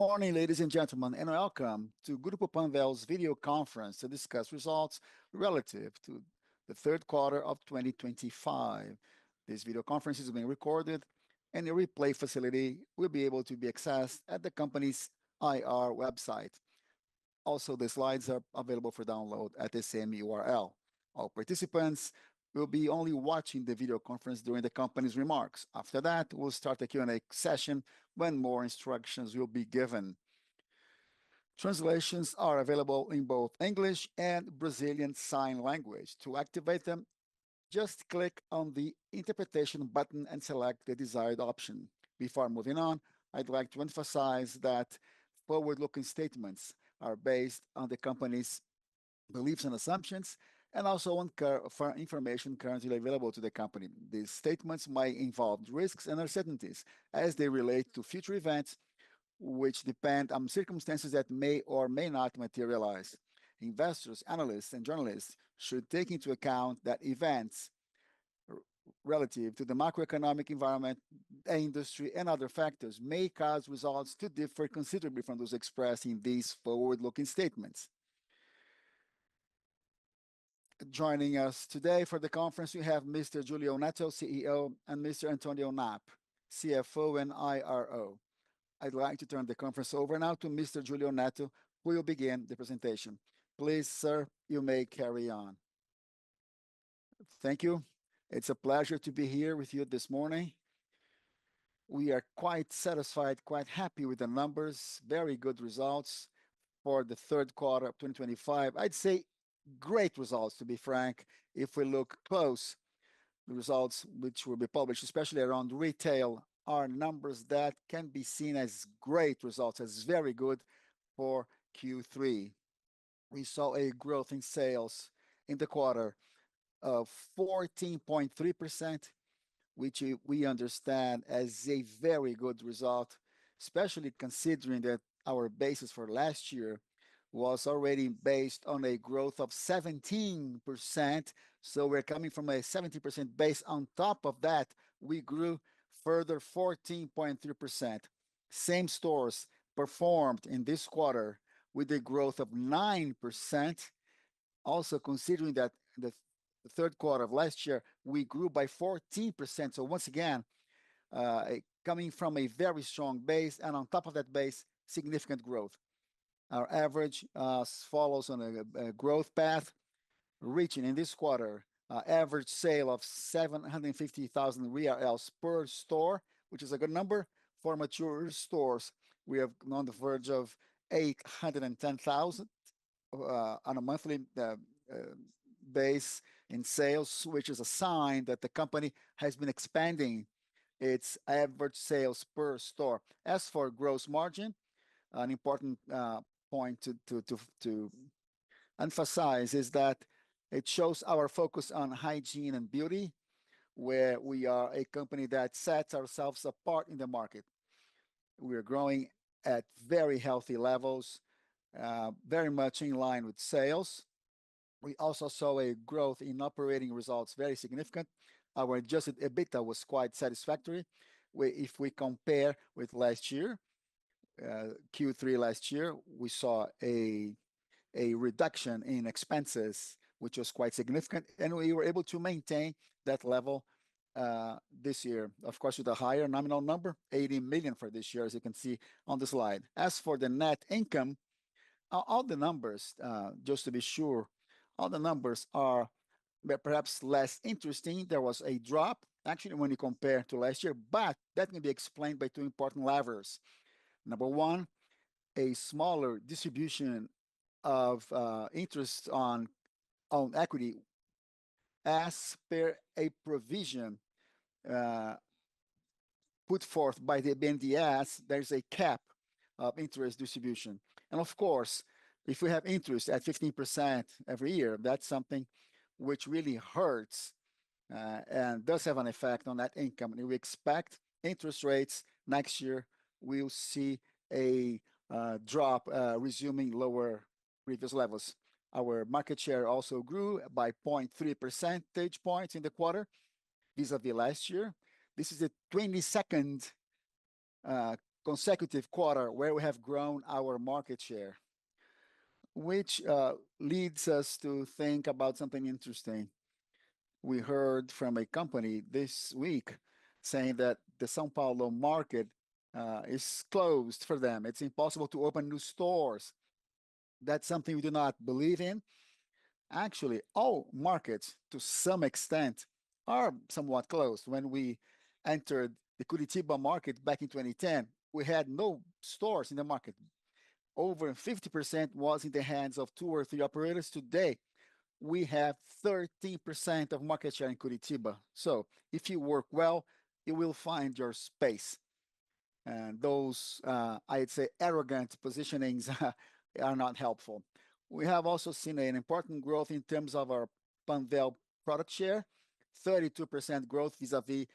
Morning, ladies and gentlemen, and welcome to Grupo Panvel's video conference to discuss results relative to the third quarter of 2025. This video conference is being recorded, and the replay facility will be able to be accessed at the company's IR website. Also, the slides are available for download at the same URL. All participants will be only watching the video conference during the company's remarks. After that, we'll start a Q&A session when more instructions will be given. Translations are available in both English and Brazilian Sign Language. To activate them, just click on the interpretation button and select the desired option. Before moving on, I'd like to emphasize that forward-looking statements are based on the company's beliefs and assumptions, and also on current information currently available to the company. These statements may involve risks and uncertainties as they relate to future events which depend on circumstances that may or may not materialize. Investors, analysts, and journalists should take into account that events relative to the macroeconomic environment, industry, and other factors may cause results to differ considerably from those expressed in these forward-looking statements. Joining us today for the conference, we have Mr. Julio Neto, CEO, and Mr. Antonio Napp, CFO and IRO. I'd like to turn the conference over now to Mr. Julio Neto, who will begin the presentation. Please, sir, you may carry on. Thank you. It's a pleasure to be here with you this morning. We are quite satisfied, quite happy with the numbers. Very good results for the third quarter of 2025. I'd say great results, to be frank. If we look close, the results which will be published, especially around retail, are numbers that can be seen as great results, as very good for Q3. We saw a growth in sales in the quarter of 14.3%, which we understand as a very good result, especially considering that our basis for last year was already based on a growth of 17%. We are coming from a 17% base. On top of that, we grew further, 14.3%. Same stores performed in this quarter with a growth of 9%. Also, considering that the third quarter of last year, we grew by 14%. Once again, coming from a very strong base and on top of that base, significant growth. Our average follows on a growth path, reaching in this quarter an average sale of 750,000 real per store, which is a good number for mature stores. We are on the verge of 810,000 on a monthly base in sales, which is a sign that the company has been expanding its average sales per store. As for gross margin, an important point to emphasize is that it shows our focus on hygiene and beauty, where we are a company that sets ourselves apart in the market. We are growing at very healthy levels, very much in line with sales. We also saw a growth in operating results, very significant. Our adjusted EBITDA was quite satisfactory. If we compare with last year, Q3 last year, we saw a reduction in expenses, which was quite significant, and we were able to maintain that level this year, of course, with a higher nominal number, 80 million for this year, as you can see on the slide. As for the net income, all the numbers, just to be sure, all the numbers are perhaps less interesting. There was a drop, actually, when you compare to last year, but that can be explained by two important levers. Number one, a smaller distribution of interest on equity. As per a provision put forth by the BNDES, there is a cap of interest distribution. Of course, if we have interest at 15% every year, that's something which really hurts and does have an effect on that income. We expect interest rates next year, we'll see a drop, resuming lower previous levels. Our market share also grew by 0.3 percentage points in the quarter vis-à-vis last year. This is the 22nd consecutive quarter where we have grown our market share, which leads us to think about something interesting. We heard from a company this week saying that the São Paulo market is closed for them. It's impossible to open new stores. That's something we do not believe in. Actually, all markets, to some extent, are somewhat closed. When we entered the Curitiba market back in 2010, we had no stores in the market. Over 50% was in the hands of two or three operators. Today, we have 13% of market share in Curitiba. If you work well, you will find your space. Those, I'd say, arrogant positionings are not helpful. We have also seen an important growth in terms of our Panvel product share, 32% growth vis-à-vis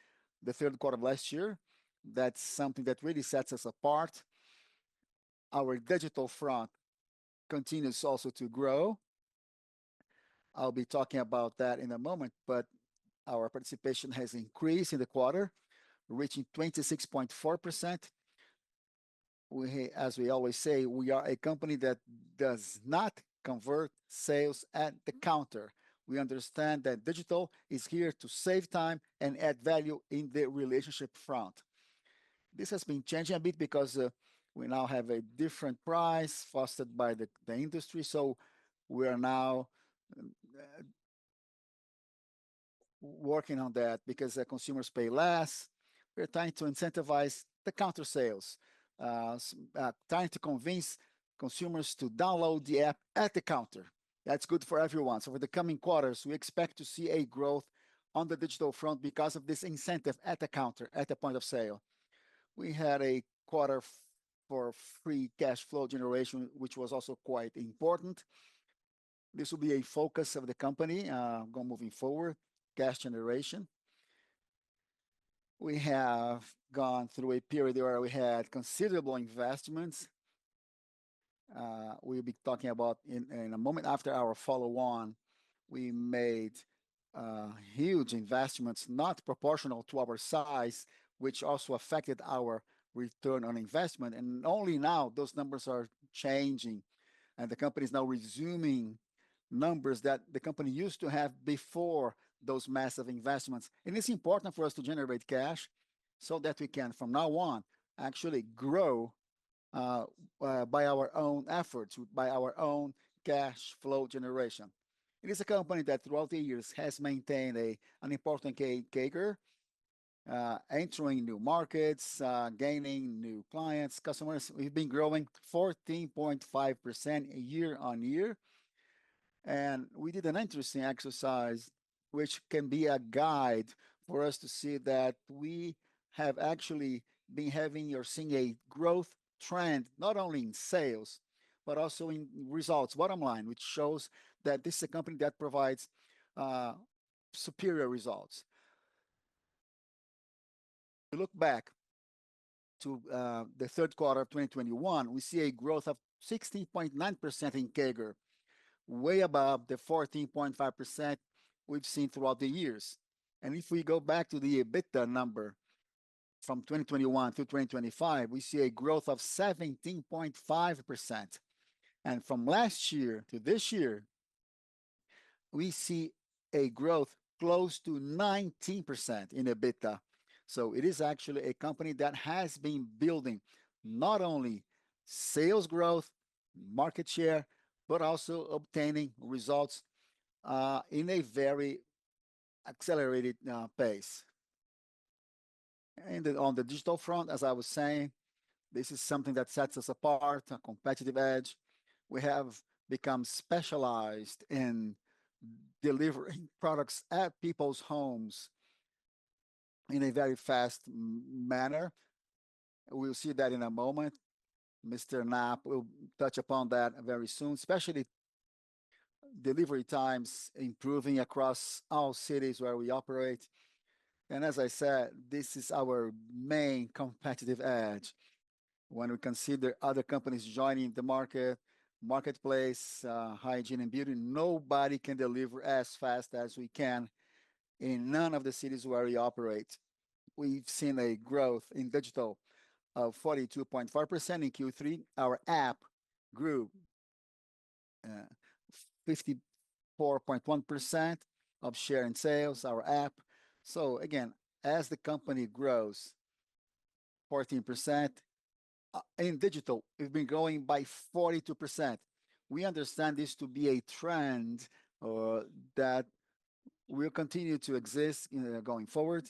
the third quarter of last year. That's something that really sets us apart. Our digital front continues also to grow. I'll be talking about that in a moment, but our participation has increased in the quarter, reaching 26.4%. As we always say, we are a company that does not convert sales at the counter. We understand that digital is here to save time and add value in the relationship front. This has been changing a bit because we now have a different price fostered by the industry. We are now working on that because consumers pay less. We are trying to incentivize the counter sales, trying to convince consumers to download the app at the counter. That is good for everyone. For the coming quarters, we expect to see a growth on the digital front because of this incentive at the counter, at the point of sale. We had a quarter for free cash flow generation, which was also quite important. This will be a focus of the company moving forward, cash generation. We have gone through a period where we had considerable investments. We'll be talking about in a moment after our follow-on. We made huge investments, not proportional to our size, which also affected our return on investment. Only now those numbers are changing. The company is now resuming numbers that the company used to have before those massive investments. It's important for us to generate cash so that we can, from now on, actually grow by our own efforts, by our own cash flow generation. It is a company that throughout the years has maintained an important caker, entering new markets, gaining new clients, customers. We've been growing 14.5% year-on-year. We did an interesting exercise, which can be a guide for us to see that we have actually been having or seeing a growth trend not only in sales, but also in results, bottom line, which shows that this is a company that provides superior results. We look back to the third quarter of 2021, we see a growth of 16.9% in CAGR, way above the 14.5% we've seen throughout the years. If we go back to the EBITDA number from 2021 to 2025, we see a growth of 17.5%. From last year to this year, we see a growth close to 19% in EBITDA. It is actually a company that has been building not only sales growth, market share, but also obtaining results in a very accelerated pace. On the digital front, as I was saying, this is something that sets us apart, a competitive edge. We have become specialized in delivering products at people's homes in a very fast manner. We will see that in a moment. Mr. Napp will touch upon that very soon, especially delivery times improving across all cities where we operate. As I said, this is our main competitive edge. When we consider other companies joining the market, marketplace, hygiene and beauty, nobody can deliver as fast as we can in none of the cities where we operate. We have seen a growth in digital of 42.4% in Q3. Our app grew 54.1% of share in sales, our app. Again, as the company grows 14% in digital, we have been growing by 42%. We understand this to be a trend that will continue to exist going forward.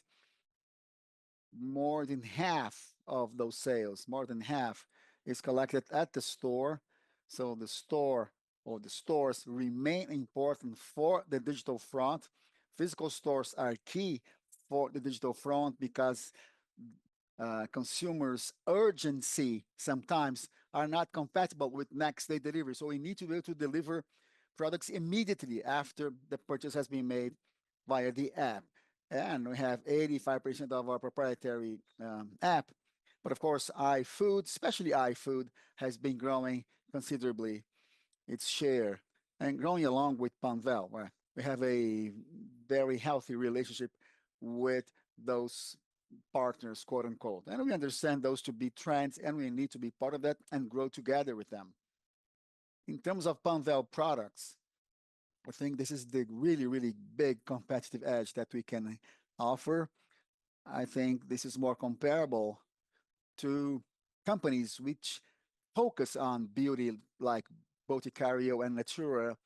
More than half of those sales, more than half, is collected at the store. The store or the stores remain important for the digital front. Physical stores are key for the digital front because consumers' urgency sometimes is not compatible with next-day delivery. We need to be able to deliver products immediately after the purchase has been made via the app. We have 85% of our proprietary app. Of course, iFood, especially iFood, has been growing considerably its share and growing along with Panvel where we have a very healthy relationship with those partners, quote unquote. We understand those to be trends, and we need to be part of that and grow together with them. In terms of Panvel products, I think this is the really, really big competitive edge that we can offer. I think this is more comparable to companies which focus on beauty like Boticário and Natura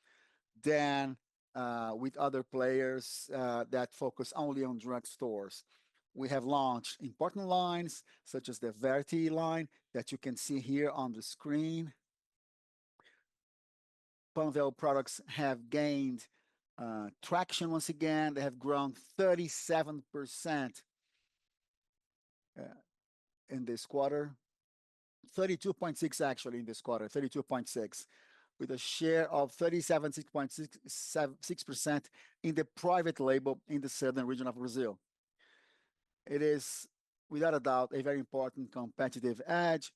than with other players that focus only on drug stores. We have launched important lines such as the Verity line that you can see here on the screen. Panvel products have gained traction once again. They have grown 37% in this quarter, 32.6% actually in this quarter, 32.6%, with a share of 37.6% in the private label in the southern region of Brazil. It is, without a doubt, a very important competitive edge.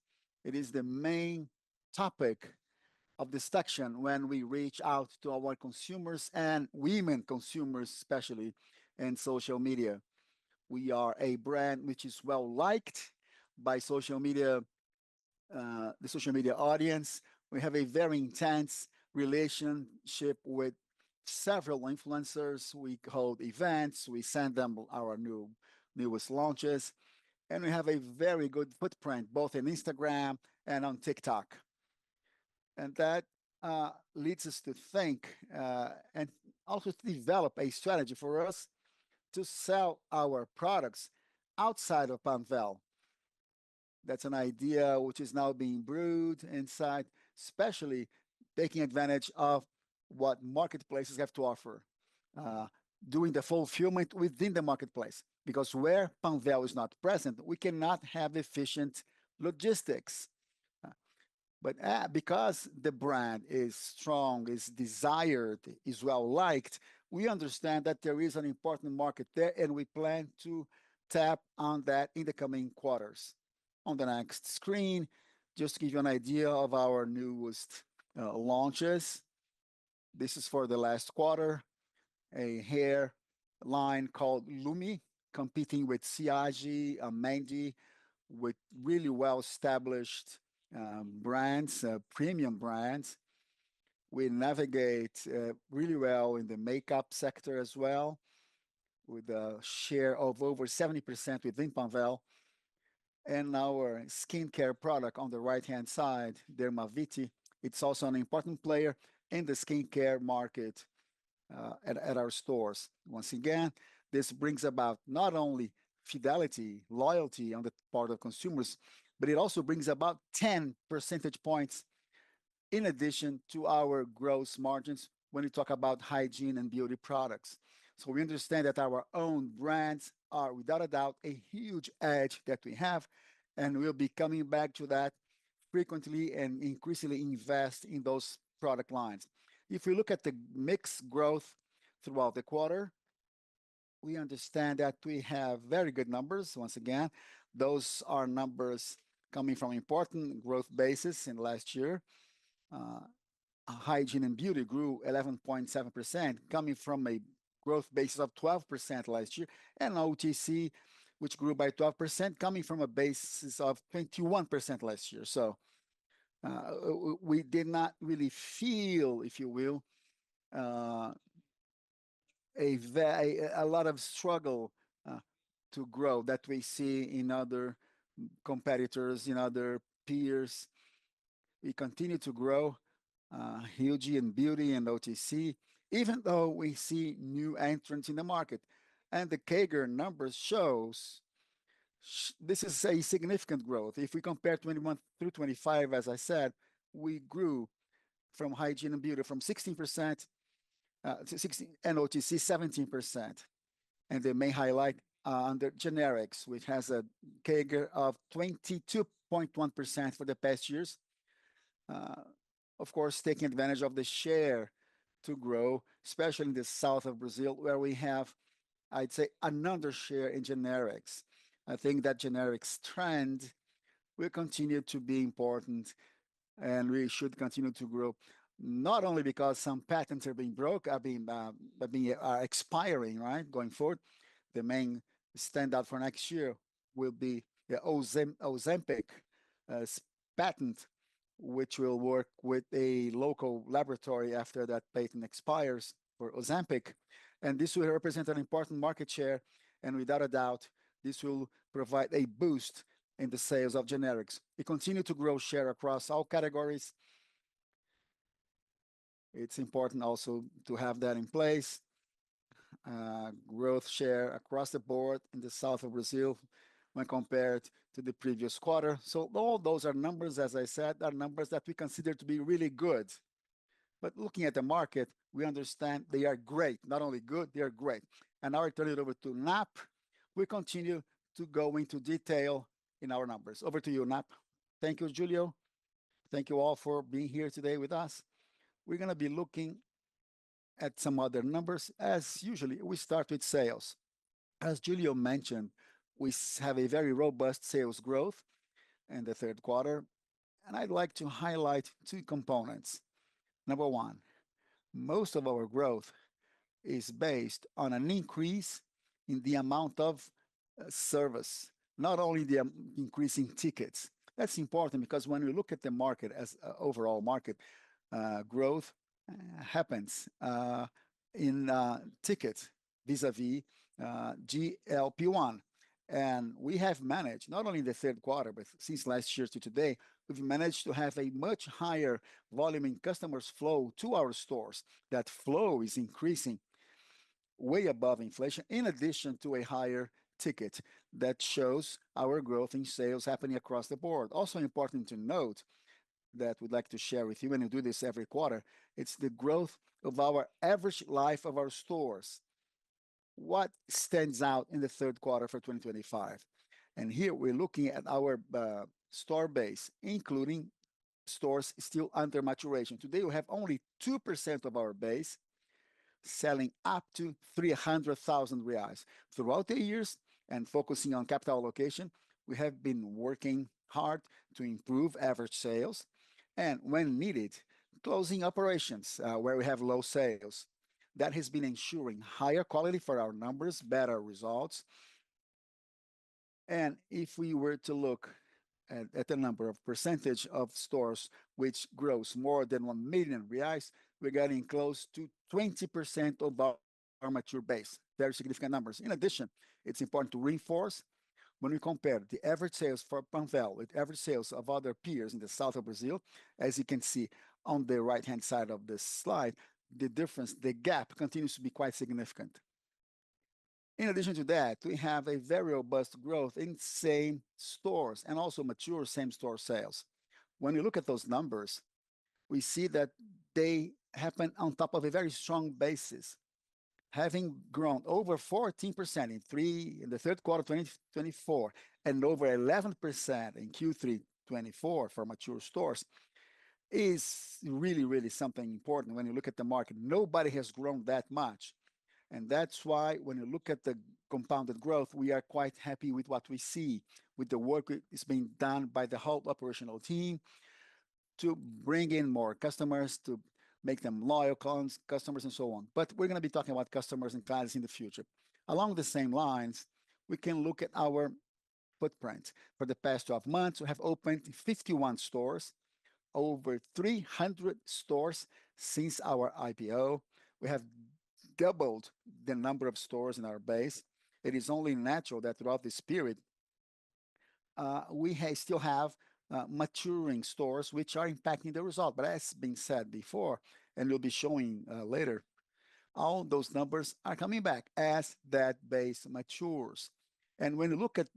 It is the main topic of distraction when we reach out to our consumers and women consumers, especially in social media. We are a brand which is well-liked by social media, the social media audience. We have a very intense relationship with several influencers. We hold events. We send them our newest launches. We have a very good footprint both in Instagram and on TikTok. That leads us to think and also to develop a strategy for us to sell our products outside of Panvel. That is an idea which is now being brewed inside, especially taking advantage of what marketplaces have to offer, doing the fulfillment within the marketplace. Where Panvel is not present, we cannot have efficient logistics. Because the brand is strong, is desired, is well-liked, we understand that there is an important market there, and we plan to tap on that in the coming quarters. On the next screen, just to give you an idea of our newest launches, this is for the last quarter, a hair line called Luméa, competing with CIG, ManDi, with really well-established brands, premium brands. We navigate really well in the makeup sector as well, with a share of over 70% within Panvel. And our skincare product on the right-hand side, Dermaviti. It's also an important player in the skincare market at our stores. Once again, this brings about not only fidelity, loyalty on the part of consumers, but it also brings about 10 percentage points in addition to our gross margins when we talk about hygiene and beauty products. We understand that our own brands are, without a doubt, a huge edge that we have, and we'll be coming back to that frequently and increasingly invest in those product lines. If we look at the mixed growth throughout the quarter, we understand that we have very good numbers. Once again, those are numbers coming from important growth bases in the last year. Hygiene and beauty grew 11.7%, coming from a growth base of 12% last year, and OTC, which grew by 12%, coming from a base of 21% last year. We did not really feel, if you will, a lot of struggle to grow that we see in other competitors, in other peers. We continue to grow hygiene and beauty and OTC, even though we see new entrants in the market. The CAGR numbers show this is a significant growth. If we compare 2021 through 2025, as I said, we grew hygiene and beauty from 16% and OTC 17%. They may highlight under generics, which has a CAGR of 22.1% for the past years. Of course, taking advantage of the share to grow, especially in the south of Brazil, where we have, I'd say, another share in generics. I think that generics trend will continue to be important and we should continue to grow, not only because some patents are being broken, are expiring, right? Going forward, the main standout for next year will be the Ozempic patent, which will work with a local laboratory after that patent expires for Ozempic. This will represent an important market share. Without a doubt, this will provide a boost in the sales of generics. We continue to grow share across all categories. It is important also to have that in place, growth share across the board in the south of Brazil when compared to the previous quarter. All those are numbers, as I said, are numbers that we consider to be really good. Looking at the market, we understand they are great. Not only good, they are great. Now I turn it over to Napp. We continue to go into detail in our numbers. Over to you, Napp. Thank you, Julio. Thank you all for being here today with us. We're going to be looking at some other numbers. As usual, we start with sales. As Julio mentioned, we have a very robust sales growth in the third quarter. I would like to highlight two components. Number one, most of our growth is based on an increase in the amount of service, not only the increase in tickets. That is important because when we look at the market as an overall market, growth happens in tickets vis-à-vis GLP-1. We have managed, not only in the third quarter, but since last year to today, we have managed to have a much higher volume in customers' flow to our stores. That flow is increasing way above inflation, in addition to a higher ticket that shows our growth in sales happening across the board. Also important to note that we'd like to share with you, and we do this every quarter, it's the growth of our average life of our stores. What stands out in the third quarter for 2025? Here we're looking at our store base, including stores still under maturation. Today, we have only 2% of our base selling up to 300,000 reais throughout the years. Focusing on capital allocation, we have been working hard to improve average sales. When needed, closing operations where we have low sales. That has been ensuring higher quality for our numbers, better results. If we were to look at the number or percentage of stores which grows more than 1 million reais, we're getting close to 20% of our mature base. Very significant numbers. In addition, it's important to reinforce when we compare the average sales for Panvel with average sales of other peers in the south of Brazil, as you can see on the right-hand side of the slide, the difference, the gap continues to be quite significant. In addition to that, we have a very robust growth in same stores and also mature same store sales. When we look at those numbers, we see that they happen on top of a very strong basis. Having grown over 14% in the third quarter of 2024 and over 11% in Q3 2024 for mature stores is really, really something important when you look at the market. Nobody has grown that much. That is why when you look at the compounded growth, we are quite happy with what we see with the work that is being done by the whole operational team to bring in more customers, to make them loyal customers and so on. We are going to be talking about customers and clients in the future. Along the same lines, we can look at our footprint. For the past 12 months, we have opened 51 stores, over 300 stores since our IPO. We have doubled the number of stores in our base. It is only natural that throughout this period, we still have maturing stores which are impacting the result. As has been said before, and we will be showing later, all those numbers are coming back as that base matures. When you look at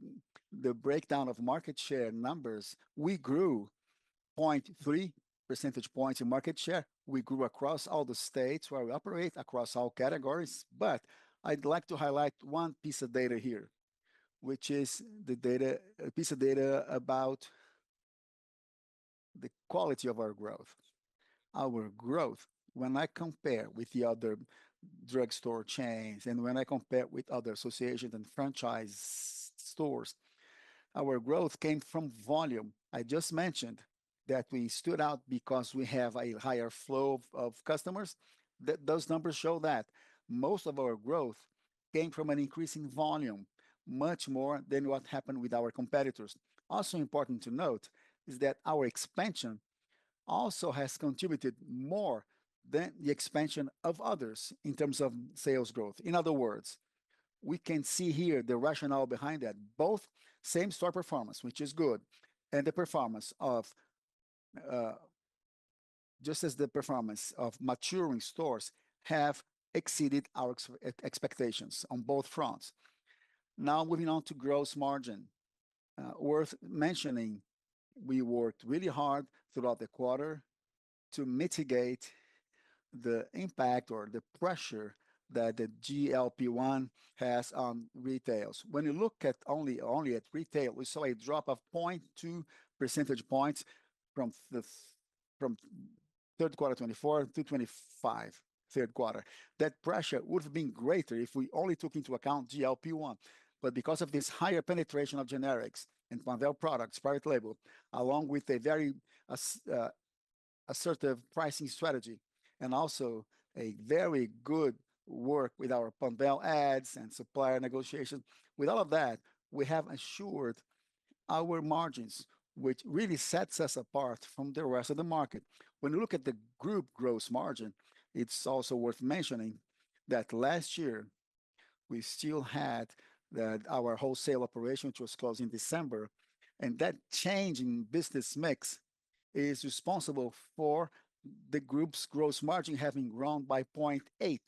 the breakdown of market share numbers, we grew 0.3 percentage points in market share. We grew across all the states where we operate, across all categories. I would like to highlight one piece of data here, which is the data, a piece of data about the quality of our growth. Our growth, when I compare with the other drugstore chains and when I compare with other associations and franchise stores, our growth came from volume. I just mentioned that we stood out because we have a higher flow of customers. Those numbers show that most of our growth came from an increasing volume, much more than what happened with our competitors. Also important to note is that our expansion also has contributed more than the expansion of others in terms of sales growth. In other words, we can see here the rationale behind that both same store performance, which is good, and the performance of, just as the performance of maturing stores have exceeded our expectations on both fronts. Now moving on to gross margin, worth mentioning, we worked really hard throughout the quarter to mitigate the impact or the pressure that the GLP-1 has on retails. When you look at only at retail, we saw a drop of 0.2 percentage points from the third quarter 2024 to 2025, third quarter. That pressure would have been greater if we only took into account GLP-1. Because of this higher penetration of generics and Panvel products, private label, along with a very assertive pricing strategy and also a very good work with our Panvel ads and supplier negotiations. With all of that, we have assured our margins, which really sets us apart from the rest of the market. When you look at the group gross margin, it is also worth mentioning that last year we still had our wholesale operation, which was closed in December, and that change in business mix is responsible for the group's gross margin having grown by 0.8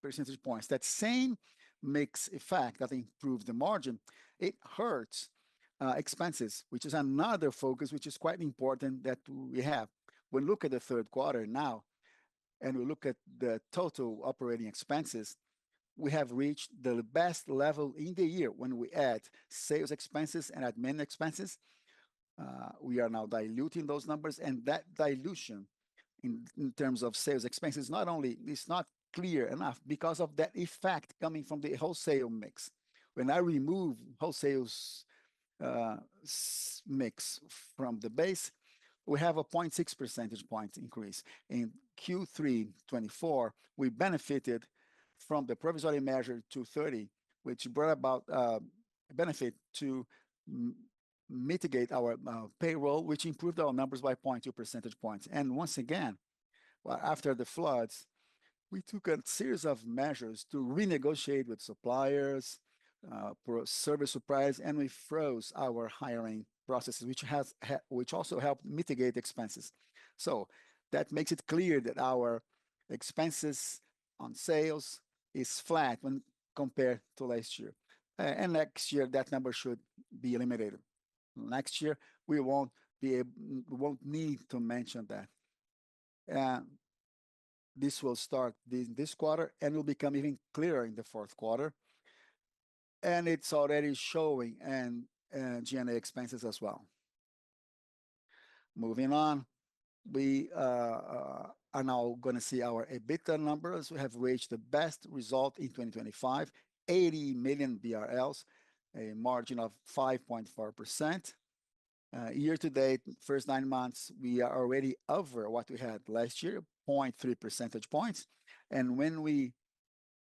percentage points. That same mix effect that improved the margin, it hurts expenses, which is another focus which is quite important that we have. When we look at the third quarter now and we look at the total operating expenses, we have reached the best level in the year when we add sales expenses and admin expenses. We are now diluting those numbers, and that dilution in terms of sales expenses, not only it's not clear enough because of that effect coming from the wholesale mix. When I remove wholesale mix from the base, we have a 0.6 percentage point increase. In Q3 2024, we benefited from the provisory measure 230, which brought about a benefit to mitigate our payroll, which improved our numbers by 0.2 percentage points. Once again, after the floods, we took a series of measures to renegotiate with suppliers for service surprise, and we froze our hiring processes, which has also helped mitigate expenses. That makes it clear that our expenses on sales is flat when compared to last year. Next year, that number should be eliminated. Next year, we will not be able, we will not need to mention that. This will start this quarter, and it will become even clearer in the fourth quarter. It is already showing in G&A expenses as well. Moving on, we are now going to see our EBITDA numbers. We have reached the best result in 2025, 80 million BRL, a margin of 5.4%. Year to date, first nine months, we are already over what we had last year, 0.3 percentage points. When we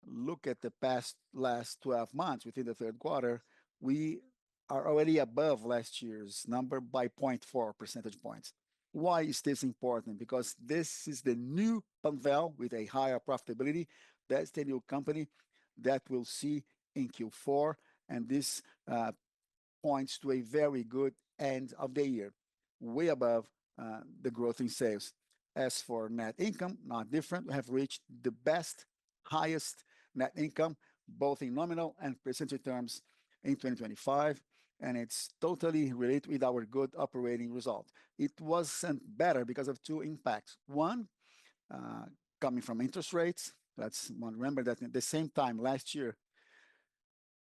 look at the past last 12 months within the third quarter, we are already above last year's number by 0.4 percentage points. Why is this important? Because this is the new Panvel with a higher profitability. That's the new company that we'll see in Q4. This points to a very good end of the year, way above the growth in sales. As for net income, not different. We have reached the best, highest net income, both in nominal and percentage terms in 2025. It's totally related with our good operating result. It wasn't better because of two impacts. One, coming from interest rates. Let's remember that at the same time last year,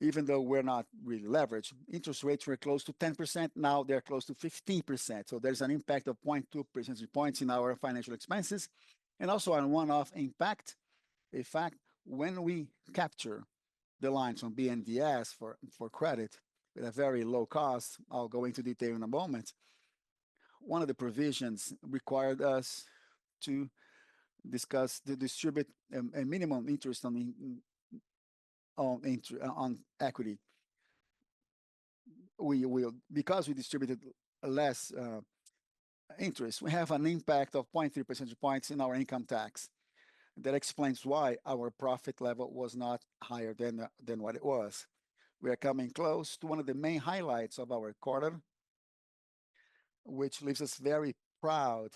even though we're not really leveraged, interest rates were close to 10%. Now they're close to 15%. There's an impact of 0.2 percentage points in our financial expenses. Also, one-off impact, in fact, when we capture the lines on BNDES for credit with a very low cost, I'll go into detail in a moment. One of the provisions required us to discuss the distribute a minimum interest on equity. We will, because we distributed less interest, we have an impact of 0.3 percentage points in our income tax. That explains why our profit level was not higher than what it was. We are coming close to one of the main highlights of our quarter, which leaves us very proud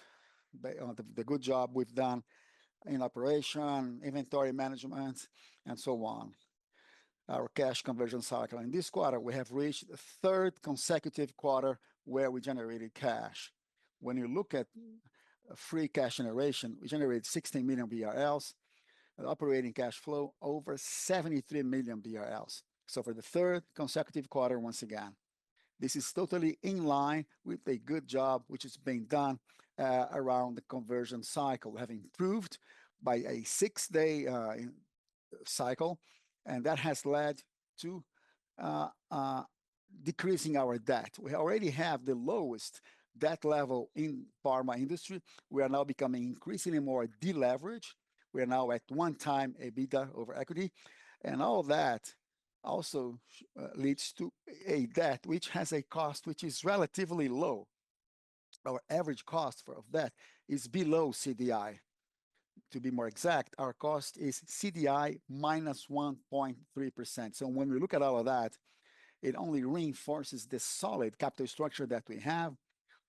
of the good job we've done in operation, inventory management, and so on. Our cash conversion cycle. In this quarter, we have reached the third consecutive quarter where we generated cash. When you look at free cash generation, we generated 16 million BRL, an operating cash flow over 73 million BRL. For the third consecutive quarter, once again, this is totally in line with a good job which has been done around the conversion cycle, having improved by a six-day cycle. That has led to decreasing our debt. We already have the lowest debt level in the pharma industry. We are now becoming increasingly more deleveraged. We are now at one time EBITDA over equity. All that also leads to a debt which has a cost which is relatively low. Our average cost of debt is below CDI. To be more exact, our cost is CDI -1.3%. When we look at all of that, it only reinforces the solid capital structure that we have,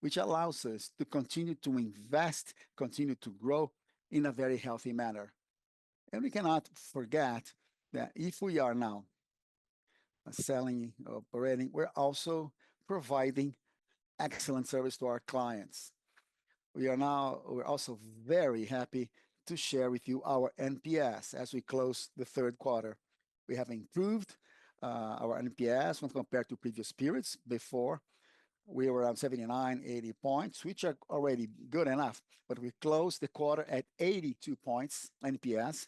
which allows us to continue to invest, continue to grow in a very healthy manner. We cannot forget that if we are now selling or operating, we are also providing excellent service to our clients. We are now, we are also very happy to share with you our NPS as we close the third quarter. We have improved our NPS when compared to previous periods. Before, we were around 79, 80 points, which are already good enough. We closed the quarter at 82 points NPS.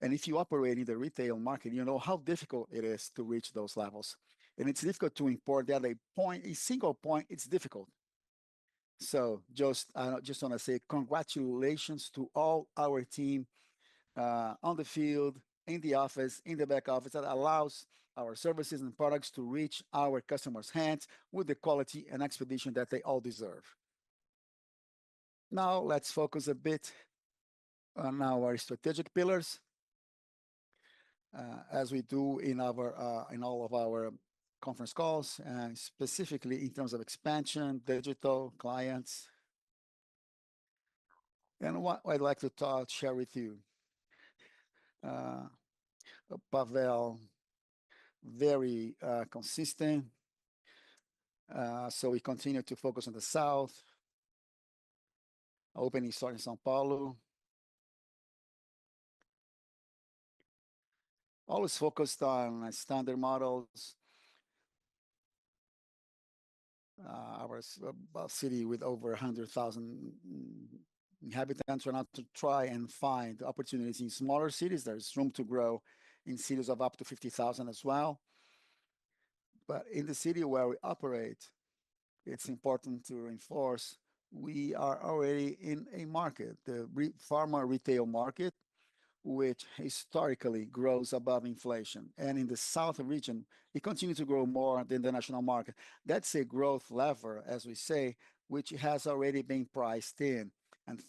If you operate in the retail market, you know how difficult it is to reach those levels. It is difficult to import that a point, a single point, it is difficult. I just want to say congratulations to all our team on the field, in the office, in the back office that allows our services and products to reach our customers' hands with the quality and expedition that they all deserve. Now let's focus a bit on our strategic pillars, as we do in all of our conference calls, and specifically in terms of expansion, digital clients. What I'd like to talk share with you, Panvel, very consistent. We continue to focus on the south, opening start in São Paulo. Always focused on standard models, our city with over 100,000 inhabitants. We're not to try and find opportunities in smaller cities. There's room to grow in cities of up to 50,000 as well. In the city where we operate, it's important to reinforce we are already in a market, the pharma retail market, which historically grows above inflation. In the south region, it continues to grow more than the national market. That's a growth lever, as we say, which has already been priced in.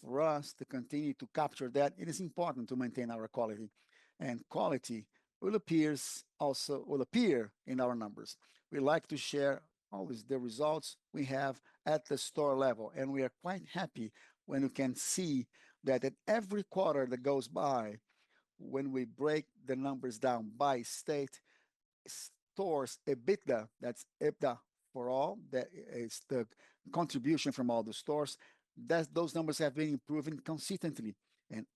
For us to continue to capture that, it is important to maintain our quality. Quality will appear also will appear in our numbers. We like to share always the results we have at the store level. We are quite happy when we can see that at every quarter that goes by, when we break the numbers down by state, stores EBITDA, that is EBITDA for all, that is the contribution from all the stores, that those numbers have been improving consistently.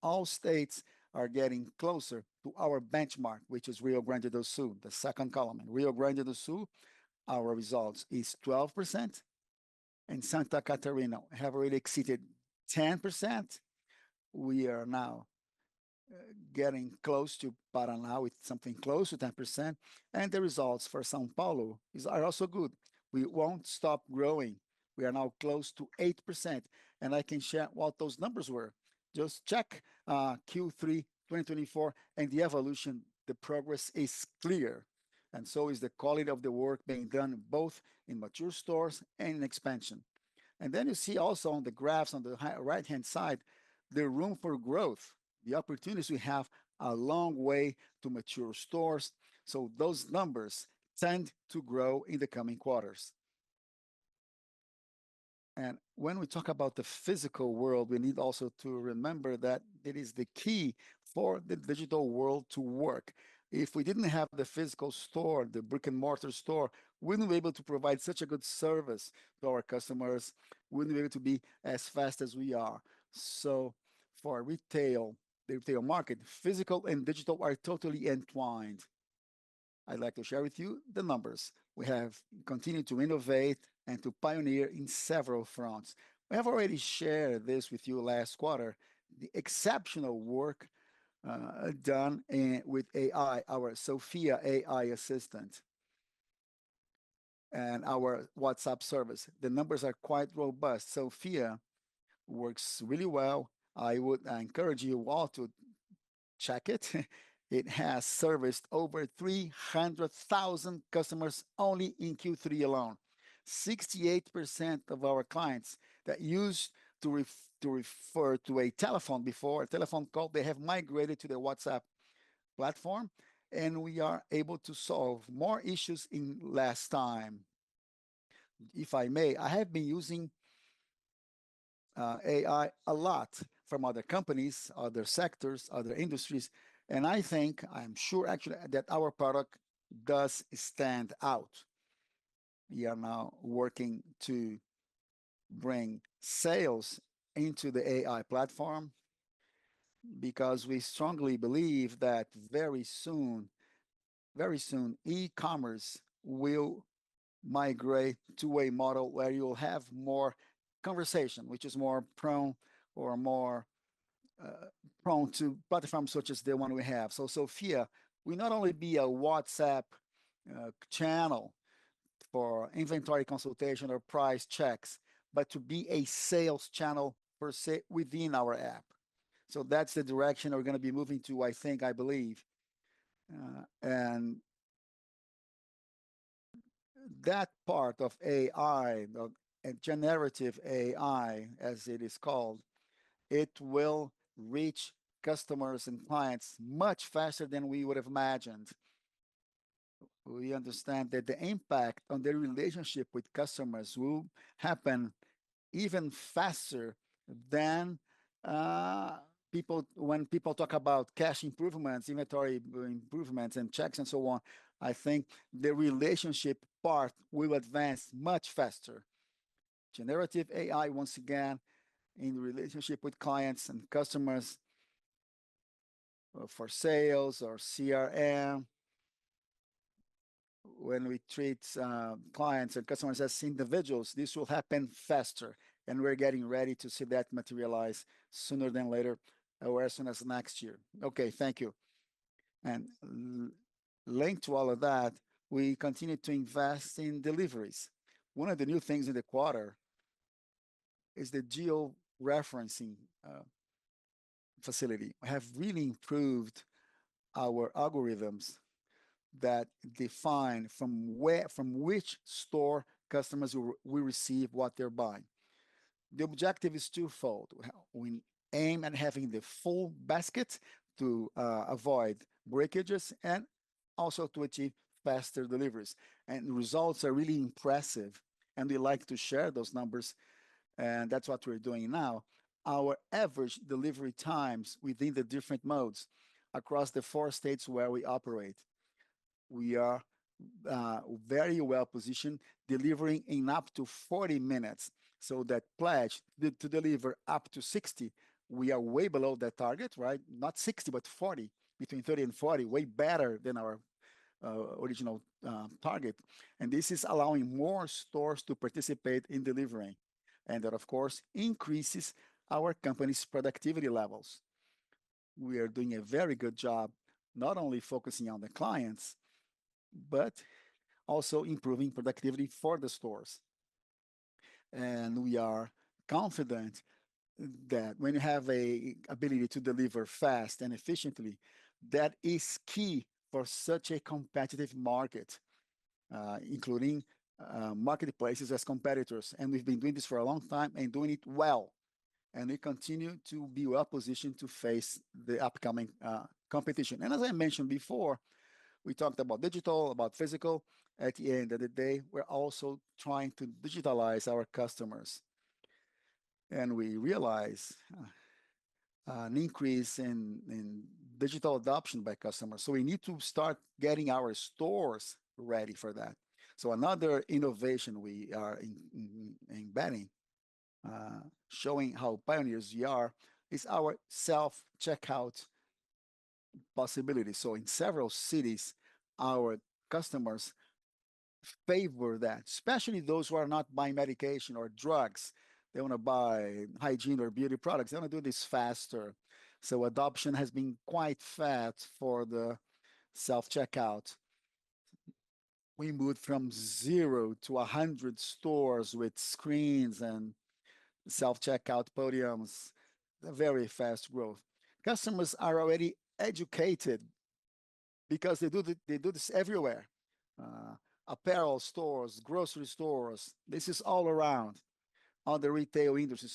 All states are getting closer to our benchmark, which is Rio Grande do Sul, the second column. In Rio Grande do Sul, our results is 12%. In Santa Catarina, we have already exceeded 10%. We are now getting close to Paraná with something close to 10%. The results for São Paulo are also good. We will not stop growing. We are now close to 8%. I can share what those numbers were. Just check Q3 2024 and the evolution. The progress is clear. The quality of the work being done both in mature stores and in expansion is also clear. You see also on the graphs on the right-hand side, the room for growth, the opportunities we have a long way to mature stores. Those numbers tend to grow in the coming quarters. When we talk about the physical world, we need also to remember that it is the key for the digital world to work. If we did not have the physical store, the brick-and-mortar store, we would not be able to provide such a good service to our customers. We would not be able to be as fast as we are. For retail, the retail market, physical and digital are totally entwined. I would like to share with you the numbers. We have continued to innovate and to pioneer in several fronts. I have already shared this with you last quarter, the exceptional work done with AI, our Sophia AI assistant and our WhatsApp service. The numbers are quite robust. Sophia works really well. I would encourage you all to check it. It has serviced over 300,000 customers only in Q3 alone. 68% of our clients that used to refer to a telephone before a telephone call, they have migrated to the WhatsApp platform. We are able to solve more issues in less time. If I may, I have been using AI a lot from other companies, other sectors, other industries. I think, I'm sure actually, that our product does stand out. We are now working to bring sales into the AI platform because we strongly believe that very soon, very soon, e-commerce will migrate to a model where you'll have more conversation, which is more prone or more prone to platforms such as the one we have. Sophia will not only be a WhatsApp channel for inventory consultation or price checks, but will be a sales channel per se within our app. That is the direction we are going to be moving to, I think, I believe. That part of AI, generative AI as it is called, will reach customers and clients much faster than we would have imagined. We understand that the impact on their relationship with customers will happen even faster than when people talk about cash improvements, inventory improvements, and checks and so on. I think the relationship part will advance much faster. Generative AI, once again, in relationship with clients and customers for sales or CRM, when we treat clients and customers as individuals, this will happen faster. We are getting ready to see that materialize sooner than later or as soon as next year. Okay, thank you. Linked to all of that, we continue to invest in deliveries. One of the new things in the quarter is the geo-referencing facility. We have really improved our algorithms that define from which store customers will receive what they're buying. The objective is twofold. We aim at having the full basket to avoid breakages and also to achieve faster deliveries. The results are really impressive. We like to share those numbers. That is what we're doing now. Our average delivery times within the different modes across the four states where we operate, we are very well positioned, delivering in up to 40 minutes. That pledge to deliver up to 60, we are way below that target, right? Not 60, but 40, between 30 and 40, way better than our original target. This is allowing more stores to participate in delivering. That, of course, increases our company's productivity levels. We are doing a very good job, not only focusing on the clients, but also improving productivity for the stores. We are confident that when you have an ability to deliver fast and efficiently, that is key for such a competitive market, including marketplaces as competitors. We have been doing this for a long time and doing it well. We continue to be well-positioned to face the upcoming competition. As I mentioned before, we talked about digital, about physical. At the end of the day, we're also trying to digitalize our customers. We realize an increase in digital adoption by customers. We need to start getting our stores ready for that. Another innovation we are embedding, showing how pioneers we are, is our self-checkout possibility. In several cities, our customers favor that, especially those who are not buying medication or drugs. They want to buy hygiene or beauty products. They want to do this faster. Adoption has been quite fast for the self-checkout. We moved from zero to 100 stores with screens and self-checkout podiums. Very fast growth. Customers are already educated because they do this everywhere. Apparel stores, grocery stores, this is all around on the retail industry.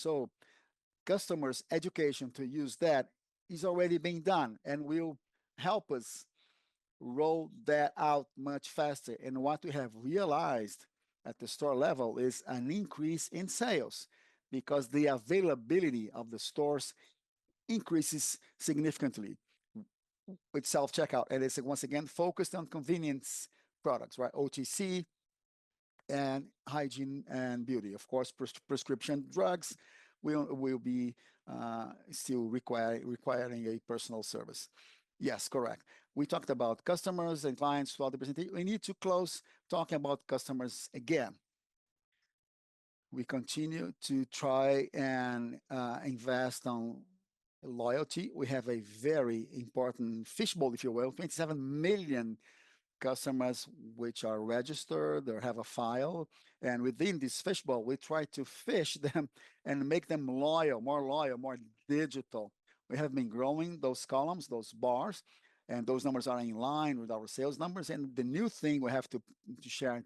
Customers' education to use that is already being done and will help us roll that out much faster. What we have realized at the store level is an increase in sales because the availability of the stores increases significantly with self-checkout. It is once again focused on convenience products, right? OTC and hygiene and beauty, of course, prescription drugs will be still requiring a personal service. Yes, correct. We talked about customers and clients throughout the presentation. We need to close talking about customers again. We continue to try and invest on loyalty. We have a very important fishbowl, if you will, 27 million customers which are registered or have a file. Within this fishbowl, we try to fish them and make them loyal, more loyal, more digital. We have been growing those columns, those bars, and those numbers are in line with our sales numbers. The new thing we have to share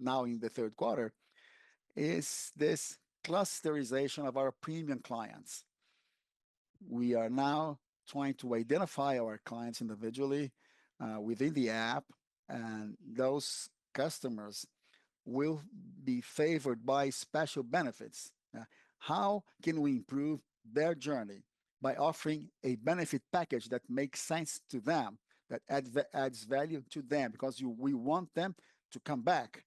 now in the third quarter is this clusterization of our premium clients. We are now trying to identify our clients individually within the app. Those customers will be favored by special benefits. How can we improve their journey? By offering a benefit package that makes sense to them, that adds value to them, because we want them to come back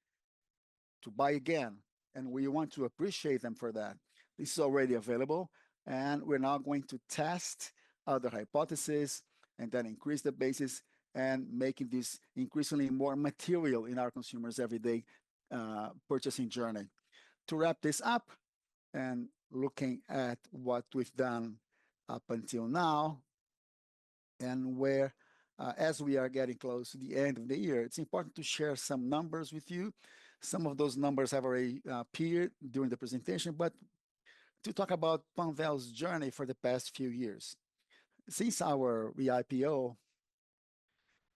to buy again. We want to appreciate them for that. This is already available. We are now going to test other hypotheses and then increase the basis and make this increasingly more material in our consumers' everyday purchasing journey. To wrap this up and looking at what we have done up until now and where, as we are getting close to the end of the year, it is important to share some numbers with you. Some of those numbers have already appeared during the presentation. To talk about Panvel's journey for the past few years, since our re-IPO,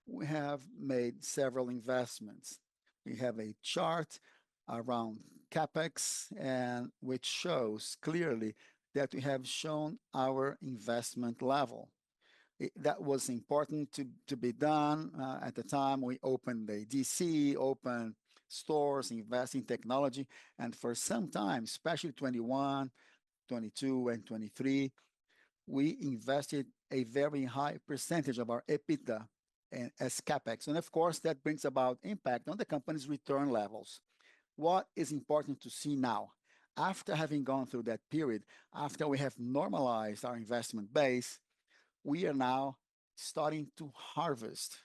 we have made several investments. We have a chart around CapEx, which shows clearly that we have shown our investment level. That was important to be done at the time we opened the DC, open stores investing technology. For some time, especially 2021, 2022, and 2023, we invested a very high percentage of our EBITDA as CapEx. Of course, that brings about impact on the company's return levels. What is important to see now, after having gone through that period, after we have normalized our investment base, we are now starting to harvest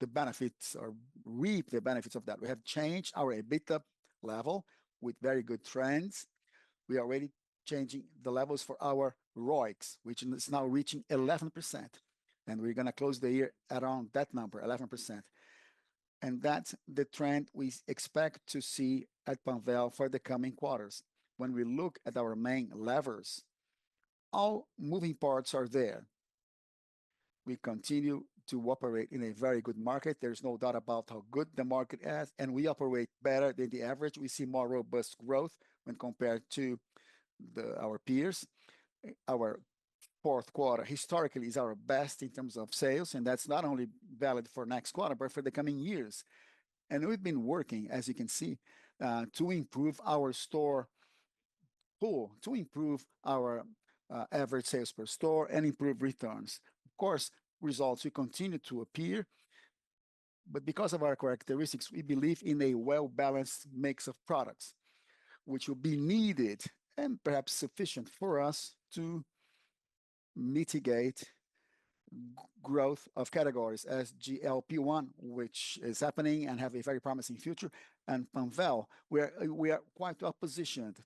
the benefits or reap the benefits of that. We have changed our EBITDA level with very good trends. We are already changing the levels for our ROIC, which is now reaching 11%. We are going to close the year at around that number, 11%. That is the trend we expect to see at Panvel for the coming quarters. When we look at our main levers, all moving parts are there. We continue to operate in a very good market. There is no doubt about how good the market is. We operate better than the average. We see more robust growth when compared to our peers. Our fourth quarter historically is our best in terms of sales. That is not only valid for next quarter, but for the coming years. We have been working, as you can see, to improve our store pool, to improve our average sales per store, and improve returns. Of course, results will continue to appear. Because of our characteristics, we believe in a well-balanced mix of products, which will be needed and perhaps sufficient for us to mitigate growth of categories as GLP-1, which is happening and has a very promising future. Panvel, we are quite well positioned,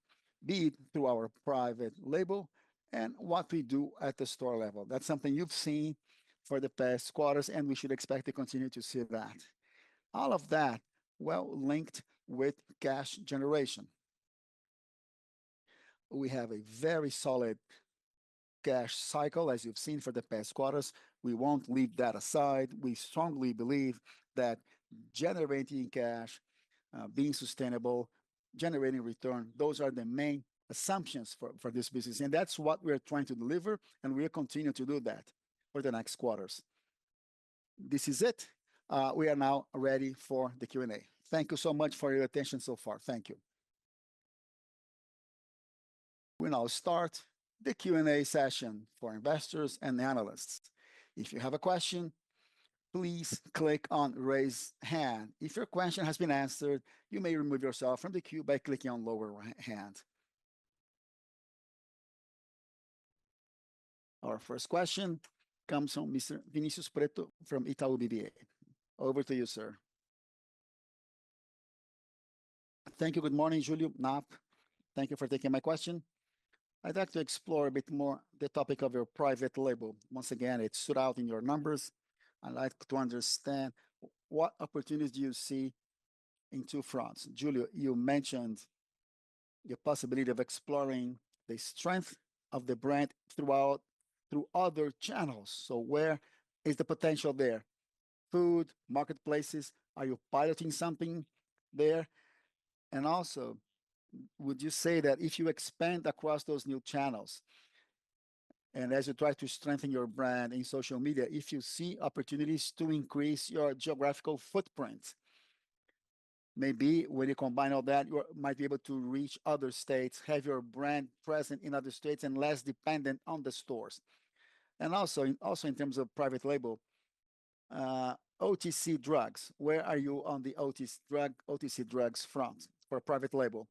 be it through our private label and what we do at the store level. That's something you've seen for the past quarters, and we should expect to continue to see that. All of that well linked with cash generation. We have a very solid cash cycle, as you've seen for the past quarters. We won't leave that aside. We strongly believe that generating cash, being sustainable, generating return, those are the main assumptions for this business. That's what we're trying to deliver. We'll continue to do that for the next quarters. This is it. We are now ready for the Q&A. Thank you so much for your attention so far. Thank you. We now start the Q&A session for investors and analysts. If you have a question, please click on raise hand. If your question has been answered, you may remove yourself from the queue by clicking on lower right hand. Our first question comes from Mr. Vinicius Pretto from Itaú BBA. Over to you, sir. Thank you. Good morning, Julio, Napp. Thank you for taking my question. I'd like to explore a bit more the topic of your private label. Once again, it stood out in your numbers. I'd like to understand what opportunities do you see in two fronts. Julio, you mentioned the possibility of exploring the strength of the brand through other channels. Where is the potential there? Food, marketplaces, are you piloting something there? Also, would you say that if you expand across those new channels and as you try to strengthen your brand in social media, if you see opportunities to increase your geographical footprint, maybe when you combine all that, you might be able to reach other states, have your brand present in other states and less dependent on the stores? Also in terms of private label, OTC drugs, where are you on the OTC drugs front for private label?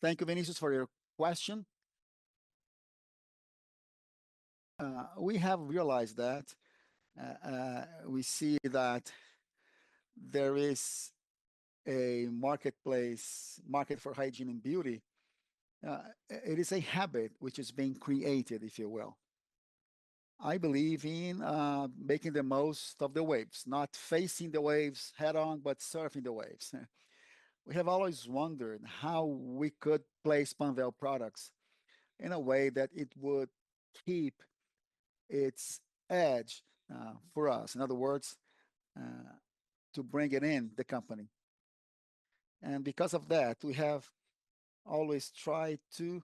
Thank you, Vinicius, for your question. We have realized that we see that there is a marketplace, market for hygiene and beauty. It is a habit which is being created, if you will. I believe in making the most of the waves, not facing the waves head-on, but surfing the waves. We have always wondered how we could place Panvel products in a way that it would keep its edge for us. In other words, to bring it in the company. Because of that, we have always tried to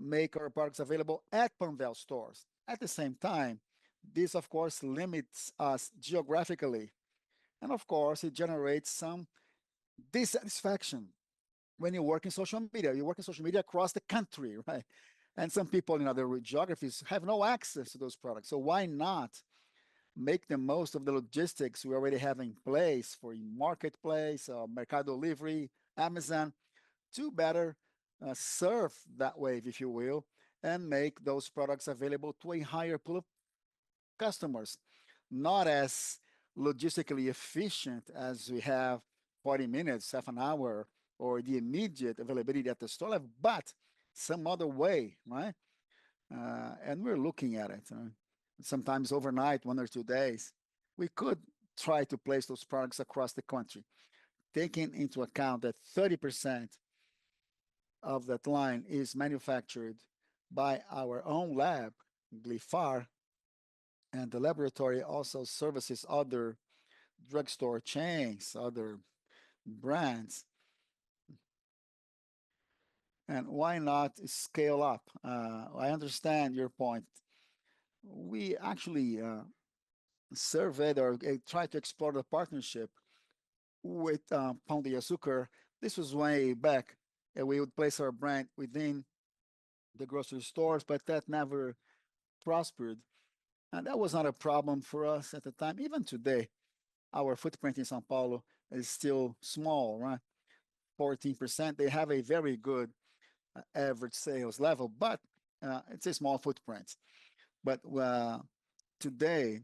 make our products available at Panvel stores. At the same time, this, of course, limits us geographically. Of course, it generates some dissatisfaction when you work in social media. You work in social media across the country, right? Some people in other geographies have no access to those products. Why not make the most of the logistics we already have in place for marketplace or Mercado Livre, Amazon, to better serve that wave, if you will, and make those products available to a higher pool of customers? Not as logistically efficient as we have 40 minutes, half an hour, or the immediate availability at the store, but some other way, right? We are looking at it. Sometimes overnight, one or two days, we could try to place those products across the country, taking into account that 30% of that line is manufactured by our own lab, Lifar. The laboratory also services other drugstore chains, other brands. Why not scale up? I understand your point. We actually surveyed or tried to explore the partnership with Panvel Yasuker. This was way back. We would place our brand within the grocery stores, but that never prospered. That was not a problem for us at the time. Even today, our footprint in São Paulo is still small, right? 14%. They have a very good average sales level, but it is a small footprint. Today,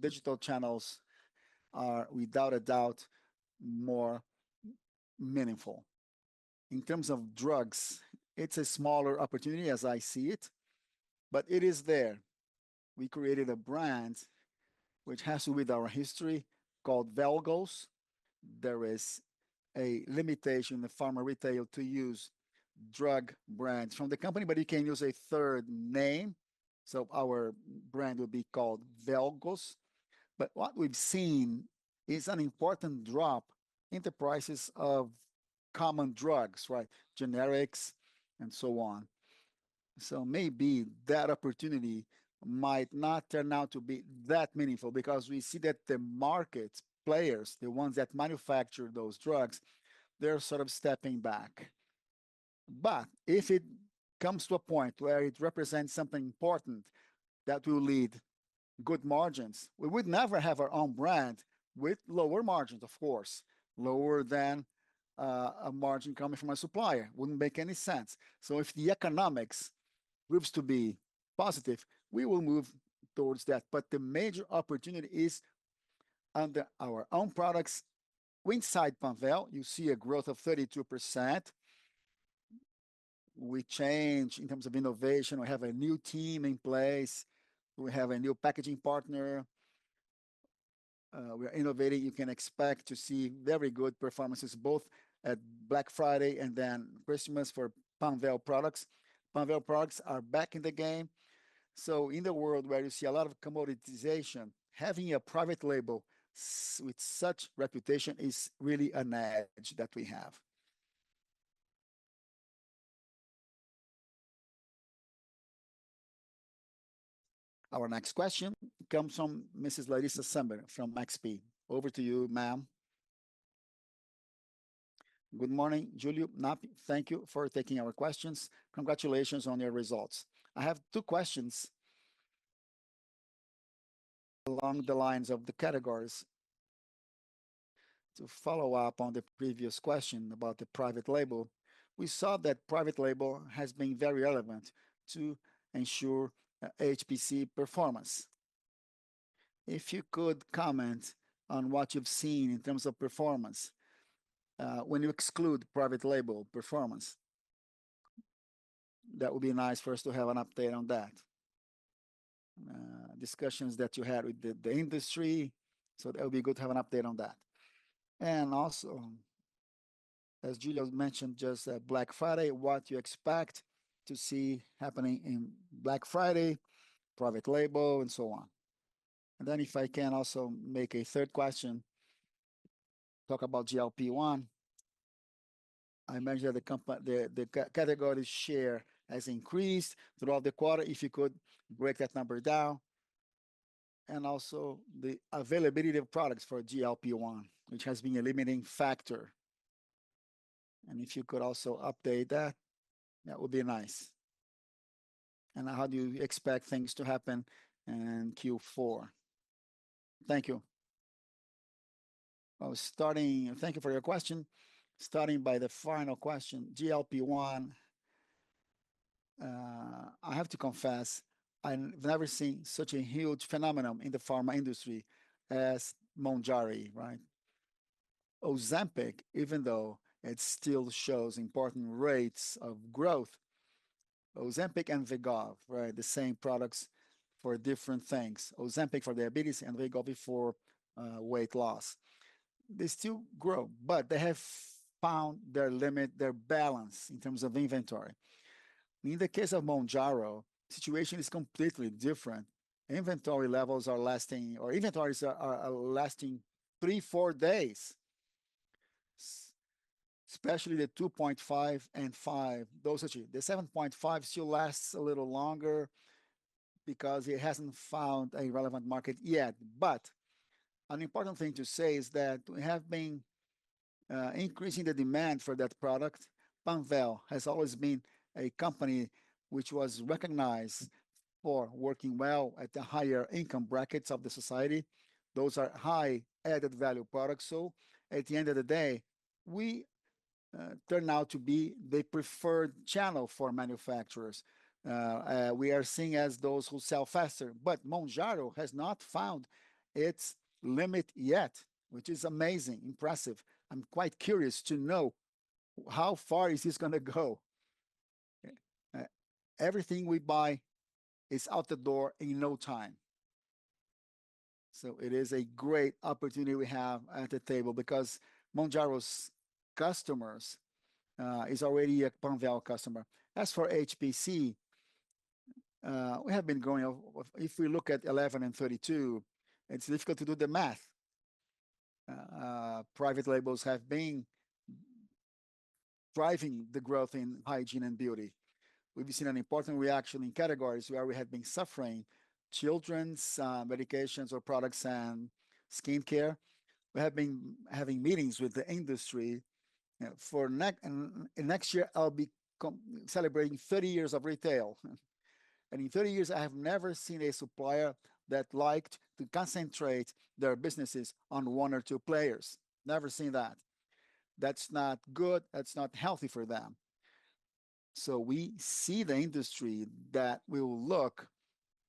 digital channels are, without a doubt, more meaningful. In terms of drugs, it is a smaller opportunity as I see it, but it is there. We created a brand which has to do with our history called Velgos. There is a limitation in the pharma retail to use drug brands from the company, but you can use a third name. Our brand will be called Velgos. What we have seen is an important drop in the prices of common drugs, right? Generics and so on. Maybe that opportunity might not turn out to be that meaningful because we see that the market players, the ones that manufacture those drugs, they're sort of stepping back. If it comes to a point where it represents something important that will lead good margins, we would never have our own brand with lower margins, of course. Lower than a margin coming from a supplier wouldn't make any sense. If the economics proves to be positive, we will move towards that. The major opportunity is under our own products. Inside Panvel, you see a growth of 32%. We change in terms of innovation. We have a new team in place. We have a new packaging partner. We are innovating. You can expect to see very good performances both at Black Friday and then Christmas for Panvel products. Panvel products are back in the game. In the world where you see a lot of commoditization, having a private label with such reputation is really an edge that we have. Our next question comes from Mrs. Larissa Sumner from Maxb. Over to you, ma'am. Good morning, Julio, Napp. Thank you for taking our questions. Congratulations on your results. I have two questions along the lines of the categories. To follow up on the previous question about the private label, we saw that private label has been very relevant to ensure HPC performance. If you could comment on what you've seen in terms of performance when you exclude private label performance, that would be nice for us to have an update on that. Discussions that you had with the industry. That would be good to have an update on that. Also, as Julio mentioned, just at Black Friday, what you expect to see happening in Black Friday, private label, and so on. If I can also make a third question, talk about GLP-1. I mentioned that the category share has increased throughout the quarter. If you could break that number down. Also the availability of products for GLP-1, which has been a limiting factor. If you could also update that, that would be nice. How do you expect things to happen in Q4? Thank you. Thank you for your question. Starting by the final question, GLP-1. I have to confess, I've never seen such a huge phenomenon in the pharma industry as Mounjaro, right? Ozempic, even though it still shows important rates of growth. Ozempic and Wegovy, right? The same products for different things. Ozempic for diabetes and Wegovy for weight loss. They still grow, but they have found their limit, their balance in terms of inventory. In the case of Mounjaro, the situation is completely different. Inventory levels are lasting, or inventories are lasting three, four days, especially the 2.5 and 5, those are cheap. The 7.5 still lasts a little longer because it has not found a relevant market yet. An important thing to say is that we have been increasing the demand for that product. Panvel has always been a company which was recognized for working well at the higher income brackets of the society. Those are high added value products. At the end of the day, we turn out to be the preferred channel for manufacturers. We are seen as those who sell faster. Mounjaro has not found its limit yet, which is amazing, impressive. I'm quite curious to know how far is this going to go. Everything we buy is out the door in no time. It is a great opportunity we have at the table because Mounjaro's customers are already a Panvel customer. As for HPC, we have been growing. If we look at 11 and 32, it's difficult to do the math. Private labels have been driving the growth in hygiene and beauty. We've seen an important reaction in categories where we had been suffering, children's medications or products and skincare. We have been having meetings with the industry. For next year, I'll be celebrating 30 years of retail. In 30 years, I have never seen a supplier that liked to concentrate their businesses on one or two players. Never seen that. That's not good. That's not healthy for them. We see the industry that we will look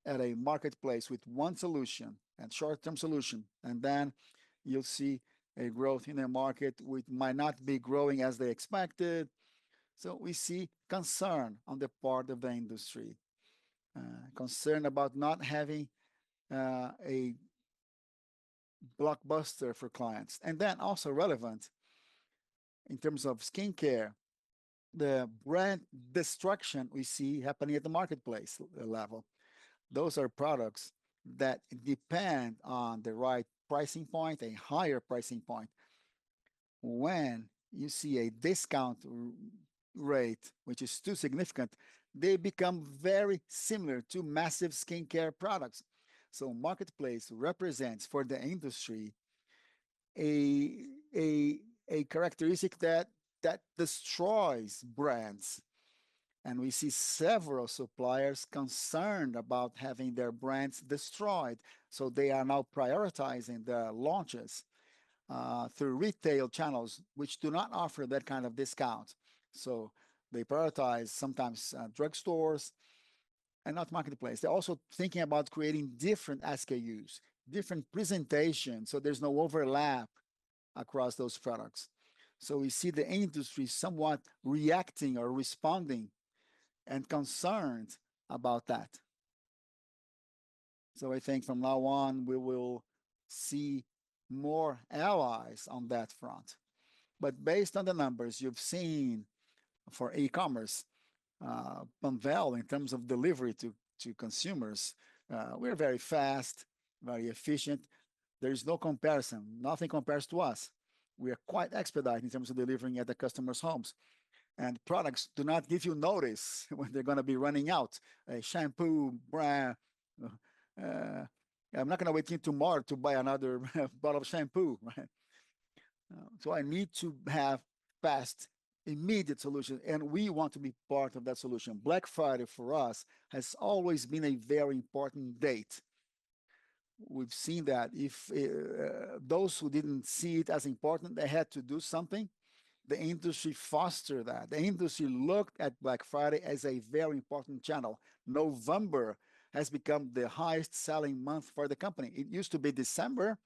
at a marketplace with one solution and short-term solution. You will see a growth in the market which might not be growing as they expected. We see concern on the part of the industry, concern about not having a blockbuster for clients. Also relevant in terms of skincare, the brand destruction we see happening at the marketplace level. Those are products that depend on the right pricing point, a higher pricing point. When you see a discount rate, which is too significant, they become very similar to massive skincare products. Marketplace represents for the industry a characteristic that destroys brands. We see several suppliers concerned about having their brands destroyed. They are now prioritizing the launches through retail channels which do not offer that kind of discount. They prioritize sometimes drug stores and not marketplace. They're also thinking about creating different SKUs, different presentations so there's no overlap across those products. We see the industry somewhat reacting or responding and concerned about that. I think from now on, we will see more allies on that front. Based on the numbers you've seen for e-commerce, Panvel, in terms of delivery to consumers, we're very fast, very efficient. There is no comparison. Nothing compares to us. We are quite expedited in terms of delivering at the customer's homes. Products do not give you notice when they're going to be running out. A shampoo, I'm not going to wait until tomorrow to buy another bottle of shampoo, right? I need to have fast, immediate solutions. We want to be part of that solution. Black Friday for us has always been a very important date. We've seen that if those who didn't see it as important, they had to do something. The industry fostered that. The industry looked at Black Friday as a very important channel. November has become the highest-selling month for the company. It used to be December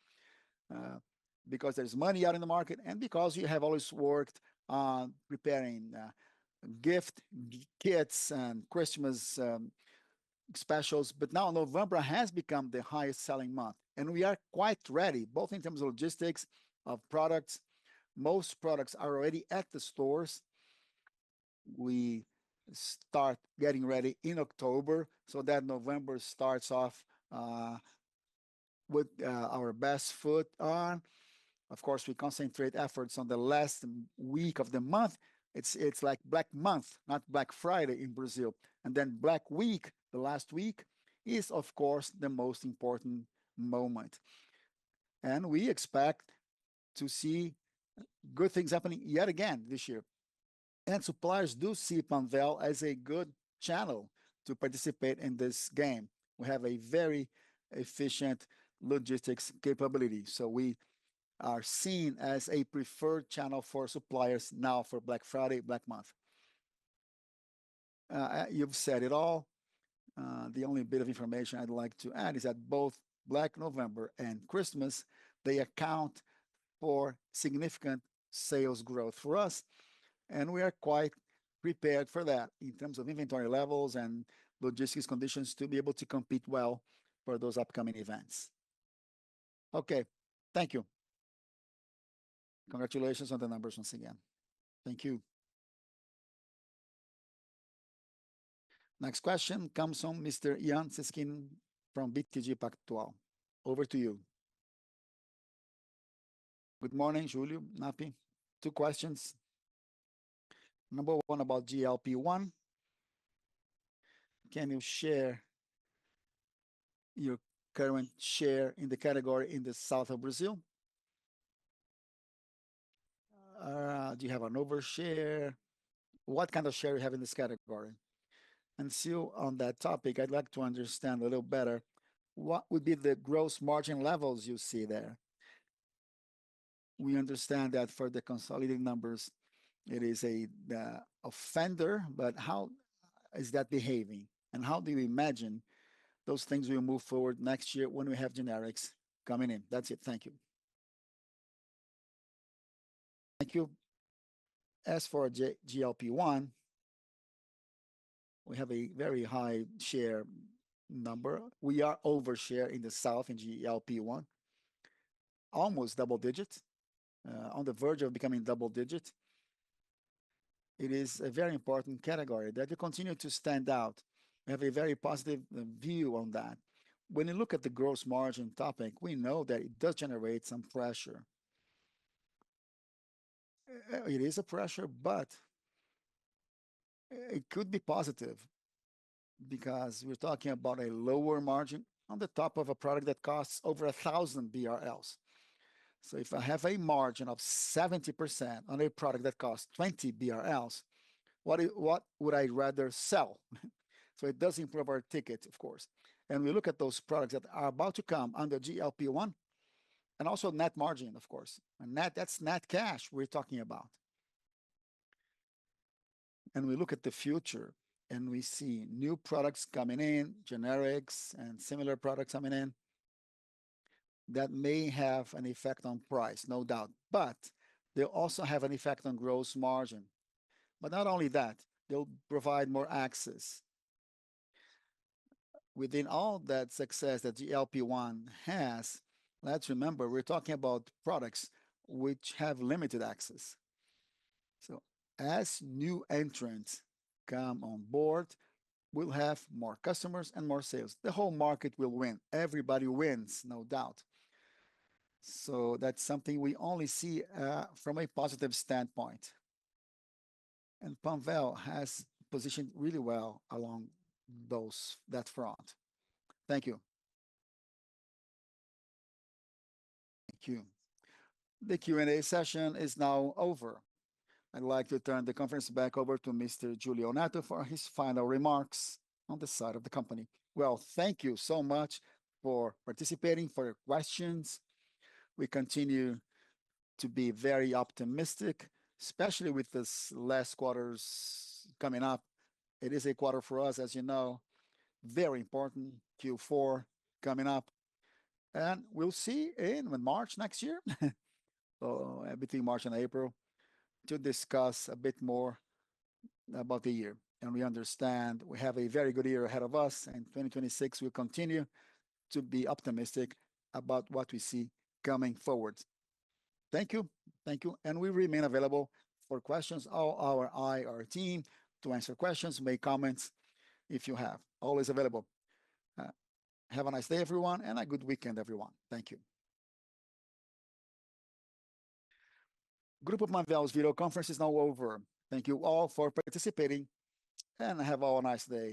because there's money out in the market and because you have always worked on preparing gift kits and Christmas specials. Now November has become the highest-selling month. We are quite ready, both in terms of logistics of products. Most products are already at the stores. We start getting ready in October so that November starts off with our best foot on. Of course, we concentrate efforts on the last week of the month. It's like Black Month, not Black Friday in Brazil. Black Week, the last week, is of course the most important moment. We expect to see good things happening yet again this year. Suppliers do see Panvel as a good channel to participate in this game. We have a very efficient logistics capability. We are seen as a preferred channel for suppliers now for Black Friday, Black Month. You have said it all. The only bit of information I would like to add is that both Black November and Christmas account for significant sales growth for us. We are quite prepared for that in terms of inventory levels and logistics conditions to be able to compete well for those upcoming events. Okay. Thank you. Congratulations on the numbers once again. Thank you. Next question comes from Mr. Ian Siskin from BTG Pactual. Over to you. Good morning, Julio, Napp. Two questions. Number one about GLP-1. Can you share your current share in the category in the south of Brazil? Do you have an overshare? What kind of share do you have in this category? Still on that topic, I'd like to understand a little better what would be the gross margin levels you see there. We understand that for the consolidated numbers, it is an offender, but how is that behaving? How do you imagine those things will move forward next year when we have generics coming in? That's it. Thank you. Thank you. As for GLP-1, we have a very high share number. We are overshare in the south in GLP-1, almost double-digit, on the verge of becoming double-digit. It is a very important category that you continue to stand out. We have a very positive view on that. When you look at the gross margin topic, we know that it does generate some pressure. It is a pressure, but it could be positive because we're talking about a lower margin on the top of a product that costs over 1,000 BRL. If I have a margin of 70% on a product that costs 20 BRL, what would I rather sell? It does improve our ticket, of course. We look at those products that are about to come under GLP-1 and also net margin, of course. That is net cash we're talking about. We look at the future and we see new products coming in, generics and similar products coming in that may have an effect on price, no doubt. They also have an effect on gross margin. Not only that, they'll provide more access. Within all that success that GLP-1 has, let's remember we're talking about products which have limited access. As new entrants come on board, we'll have more customers and more sales. The whole market will win. Everybody wins, no doubt. That's something we only see from a positive standpoint. And Panvel has positioned really well along that front. Thank you. Thank you. The Q&A session is now over. I'd like to turn the conference back over to Mr. Julio Neto for his final remarks on the side of the company. Thank you so much for participating, for your questions. We continue to be very optimistic, especially with this last quarter coming up. It is a quarter for us, as you know, very important, Q4 coming up. We'll see in March next year, between March and April, to discuss a bit more about the year. We understand we have a very good year ahead of us. 2026, we will continue to be optimistic about what we see coming forward. Thank you. Thank you. We remain available for questions. Our IR team is available to answer questions, make comments if you have. Always available. Have a nice day, everyone, and a good weekend, everyone. Thank you. Grupo Panvel's video conference is now over. Thank you all for participating. Have a nice day.